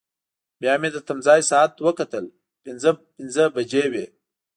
بیا مې د تمځای ساعت وکتل، پنځه پنځه بجې وې.